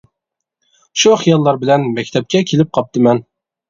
شۇ خىياللار بىلەن مەكتەپكە كېلىپ قاپتىمەن.